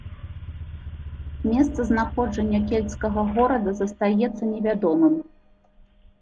Месца знаходжання кельцкага горада застаецца невядомым.